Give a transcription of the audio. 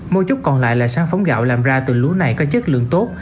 một chút còn lại là sáng phóng gạo làm ra từ lúa này có chất lượng tốt